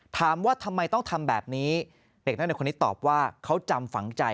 ทามว่าทำไมต้องทำแบบนี้แก่คนไหนตอบว่าเขาจำฝังใจ